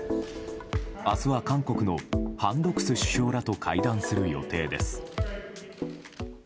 明日は韓国のハン・ドクス首相らと会談する予定です。